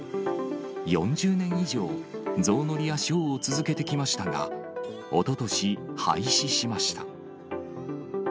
４０年以上、ゾウ乗りやショーを続けてきましたが、おととし、廃止しました。